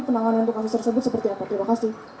penanganan untuk kasus tersebut seperti apa terima kasih